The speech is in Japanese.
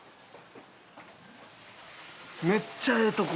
めっちゃええとこ。